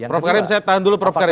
prof karim saya tahan dulu prof karim